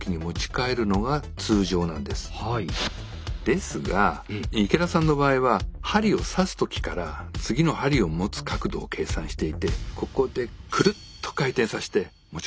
ですが池田さんの場合は針を刺す時から次の針を持つ角度を計算していてここでくるっと回転させて持ち替えるんですね。